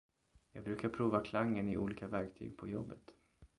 Jag brukar prova klangen i olika verktyg på jobbet.